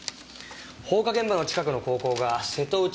放火現場の近くの高校が瀬戸内